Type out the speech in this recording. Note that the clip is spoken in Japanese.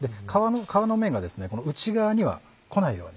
皮の面が内側にはこないように。